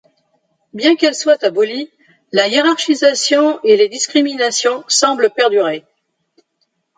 Bien qu'elles soient abolies, la hiérarchisation et les discriminations semblent perdurer.